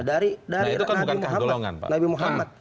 nah itu kan bukan kegolongan pak